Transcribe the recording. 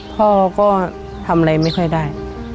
พ่อก็ทำอะไรไม่ค่อยได้